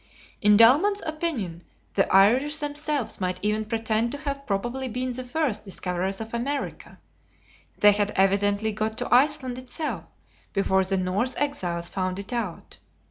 In Dahlmann's opinion, the Irish themselves might even pretend to have probably been the first discoverers of America; they had evidently got to Iceland itself before the Norse exiles found it out.